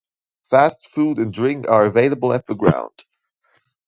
Fast food and drink are available at the ground.